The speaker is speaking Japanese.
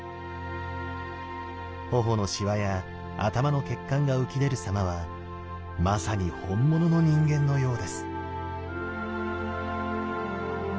頬のしわや頭の血管が浮き出るさまはまさに本物の人間のようです。